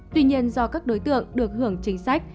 tuy nhiên do các đối tượng được hưởng chính sách